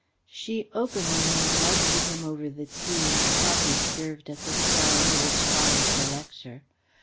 She openly made love to him over the tea and coffee served at the "soirée" which followed the lecture.